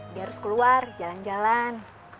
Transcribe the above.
dia harus keluar jalan jalan